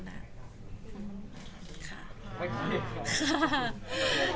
ขอบคุณค่ะ